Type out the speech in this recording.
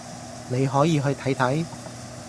你可以去睇睇